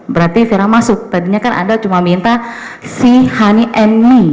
berarti fira masuk tadinya kan anda cuma minta si honey and lee